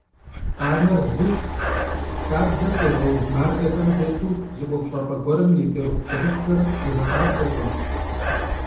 Къанэр зыщ - хабзэм къигъэув мардэхэм тету зы ӀуэхущӀапӀэ гуэрым и кӀэрыхубжьэрыхухэр игъэкъабзэркъым!